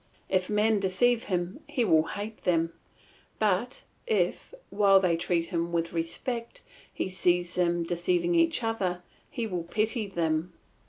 If men deceive him he will hate them; but, if, while they treat him with respect, he sees them deceiving each other, he will pity them.